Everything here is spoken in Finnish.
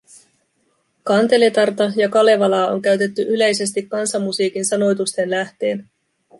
Kanteletarta ja Kalevalaa on käytetty yleisesti kansanmusiikin sanoitusten lähteenä